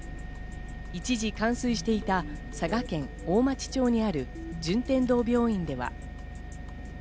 一時冠水していた佐賀県大町町にある順天堂病院では。